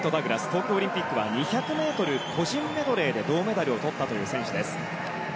東京オリンピックは２００ｍ個人メドレーで銅メダルをとったという選手です。